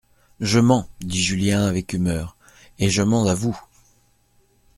Je mens, dit Julien avec humeur, et je mens à vous.